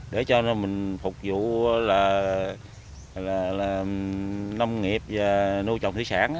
để cho mình phục vụ là nông nghiệp và nuôi trồng thủy sản